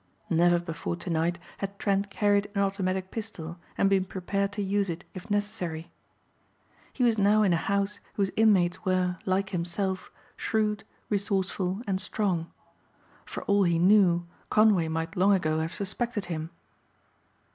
Never before to night had Trent carried an automatic pistol and been prepared to use it if necessary. He was now in a house whose inmates were, like himself, shrewd, resourceful and strong. For all he knew Conway might long ago have suspected him.